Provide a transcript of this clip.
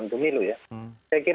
sekarang itu ada semacam tahapan pemilu